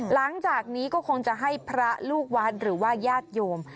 หลังจากนี้ก็คงจะให้พระลูกวัดหรือว่าญาติโยม